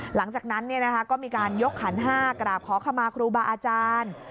หลังจากนั้นก็มีการยกขันห้ากราบขอขมาครูบาอาจารย์